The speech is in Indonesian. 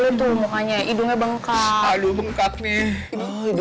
itu mukanya idungnya bengkak aduh bengkak nih